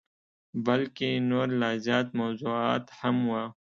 بلکه نور لا زیات موضوعات هم وه.